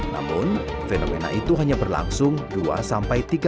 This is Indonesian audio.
namun fenomena itu hanya berlangsung dua sampai tiga kali